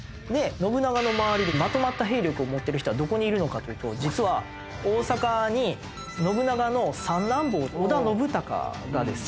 信長の周りにまとまった兵力を持ってる人はどこにいるのかというと実は大坂に信長の三男坊織田信孝がですね